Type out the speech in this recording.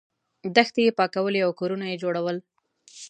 دښتې یې پاکولې او کورونه یې جوړول.